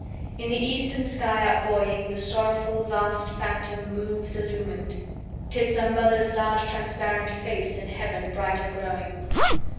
7In the eastern sky up buoying, The sorrowful vast phantom moves illumin'd;('Tis some mother's large, transparent face, In heaven brighter growing.)